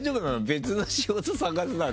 「別の仕事探す」なんて。